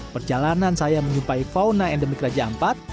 perjalanan saya mencumpai fauna endemik raja ampat